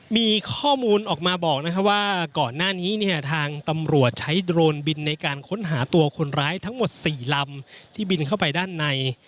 มีข้อมูลออกมาบอกว่าก่อนหน้านี้เนี่ยทางตำรวจใช้โดรนบินในการค้นหาตัวคนร้ายทั้งหมด๔ลำที่บินเข้าไปด้านใน